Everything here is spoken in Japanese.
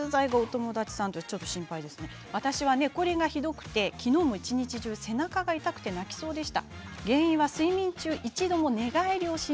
東京都の方私は寝コリがひどくて昨日も一日中、背中が痛くて泣きそうでした。